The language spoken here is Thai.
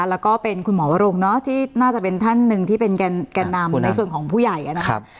แล้วก็เป็นคุณหมอวรงเนาะที่น่าจะเป็นท่านหนึ่งที่เป็นแก่นำในส่วนของผู้ใหญ่นะครับ